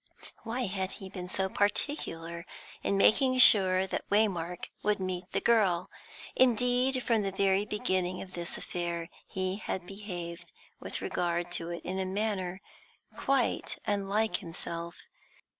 Why had he been so particular in making sure that Waymark would meet the girl? Indeed, from the very beginning of this affair, he had behaved with regard to it in a manner quite unlike himself.